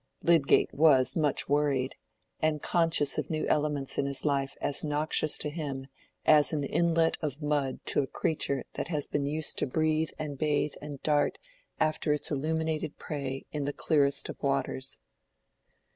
Lydgate was much worried, and conscious of new elements in his life as noxious to him as an inlet of mud to a creature that has been used to breathe and bathe and dart after its illuminated prey in the clearest of waters.